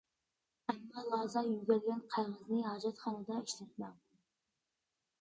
ئەمما لازا يۆگەلگەن قەغەزنى ھاجەتخانىدا ئىشلەتمەڭ.